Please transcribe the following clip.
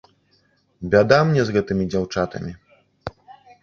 Бяда мне з гэтымі дзяўчатамі!